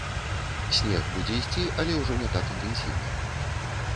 Снег будзе ісці, але ўжо не так інтэнсіўна.